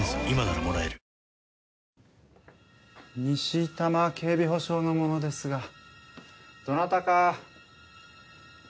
西多摩警備保障の者ですがどなたか。